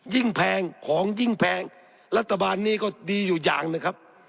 แพงของยิ่งแพงรัฐบาลนี้ก็ดีอยู่อย่างหนึ่งครับ